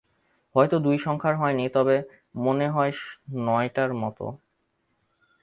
হয়ত দুই সংখ্যার হয়নি, তবে মনে হয় নয়টার মত।